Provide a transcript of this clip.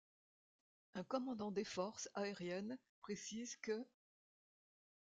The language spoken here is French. Un commandant des forces aériennes précise qu'.